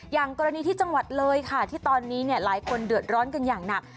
อย่างกรณีที่จังหวัดเลยค่ะที่ตอนนี้หลายคนเดือดร้อนกันอย่างหนัก